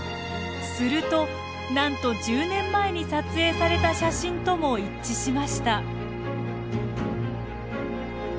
するとなんと１０年前に撮影された写真とも一致しました。